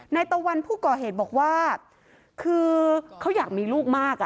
ตะวันผู้ก่อเหตุบอกว่าคือเขาอยากมีลูกมากอ่ะ